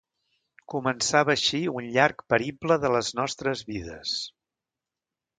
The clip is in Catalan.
Començava així un llarg periple de les nostres vides.